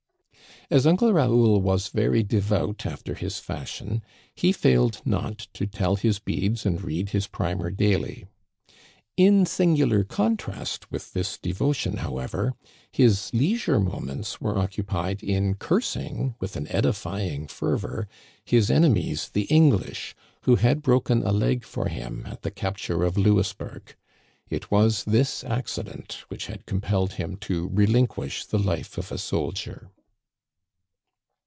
As Uncle Raoul was very devout after his fashion, he failed not to tell his beads and read his primer daily. In singular contrast with this devotion, however, his leisure moments were occupied in cursing, with an edify ing fervor, his enemies the English, who had broken a leg for him at the capture of Louisburg. It was this accident which had compelled him to relinquish the life of a soldier.